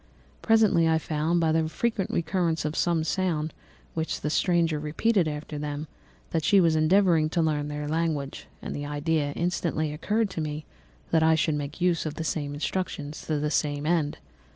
Presently I found, by the frequent recurrence of some sound which the stranger repeated after them, that she was endeavouring to learn their language; and the idea instantly occurred to me that I should make use of the same instructions to the same end.